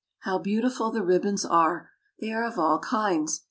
How beautiful the ribbons are ! They are of all kinds.